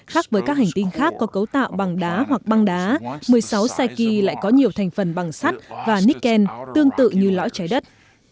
khác với các hành tinh khác có cấu tạo bằng đá hoặc băng đá một mươi sáu saiki lại có nhiều thành phần bằng sắt và nicken tương tự như lõi trái đất